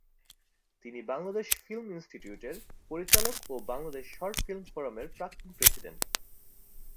তিনি বাংলাদেশ ফিল্ম ইন্সটিটিউটের পরিচালক ও বাংলাদেশ শর্ট ফিল্ম ফোরামের প্রাক্তন প্রেসিডেন্ট।